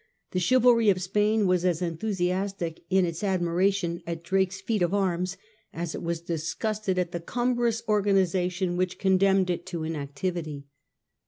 The chivalry of Spain was as enthusiastic in its admiration of Drake's feat of arms as it was disgusted at the cumbrous organisation which condemned it to in activity.